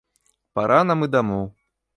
Пара нам і дамоў.